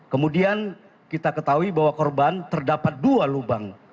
kemudian kita ketahui bahwa korban terdapat dua lubang